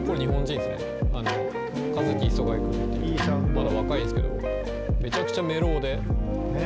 まだ若いんすけどめちゃくちゃメロウで。